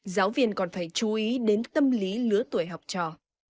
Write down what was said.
giáo viên còn phải chú ý đến tâm lý lứa tuổi học trò